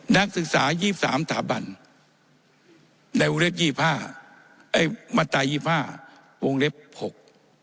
นักศึกษา๒๓ถาบรรย์ในมัตตา๒๕วงเล็ก๖